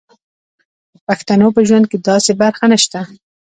د پښتنو په ژوند کې داسې برخه نشته.